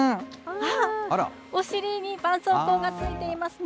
あっ、お尻にばんそうこうがついていますね。